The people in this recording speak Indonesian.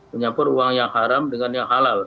menyapur uang yang haram dengan yang halal